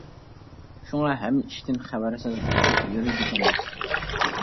شۇڭا ھەممە ئىشتىن خەۋەرسىز بىخۇد يۈرىدىكەنمىز.